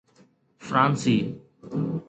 فرانسي